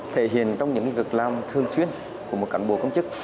thể hiện trong những việc làm thường xuyên của một cảnh bộ công chức